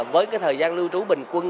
với cái thời gian lưu trú bình quân